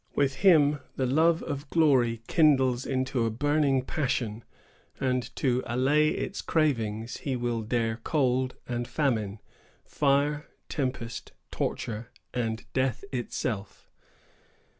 With him the love of glory kindles into a burning passion; and to allay its cravings, he will dare cold and famine, fire, tempest, torture, and death itself.